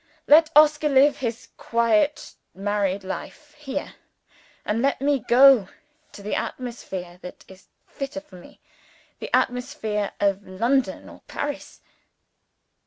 Let Oscar live his quiet married life here. And let me go to the atmosphere that is fitter for me the atmosphere of London or Paris."